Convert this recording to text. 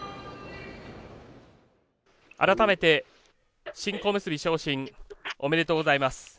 改めて新小結昇進おめでとうございます。